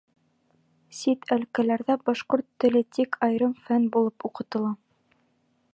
Сит әлкәләрҙә башҡорт теле тик айырым фән булып уҡытыла.